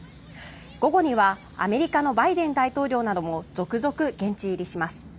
午後にはアメリカのバイデン大統領なども続々、現地入りします。